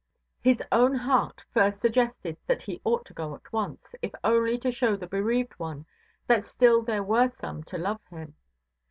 His own heart first suggested that he ought to go at once, if only to show the bereaved one that still there were some to love him.